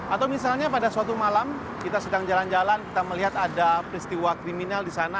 atau misalnya pada suatu malam kita sedang jalan jalan kita melihat ada peristiwa kriminal di sana